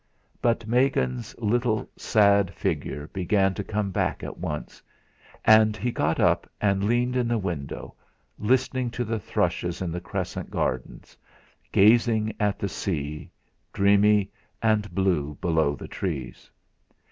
But Megan's little, sad figure began to come back at once, and he got up and leaned in the window, listening to the thrushes in the Crescent gardens, gazing at the sea, dreamy and blue below the trees.